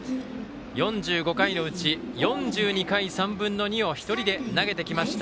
４５回のうち４２回３分の２を１人で投げてきました。